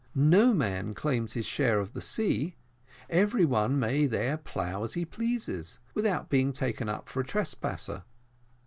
No man claims his share of the sea every one may there plough as he pleases, without being taken up for a trespasser.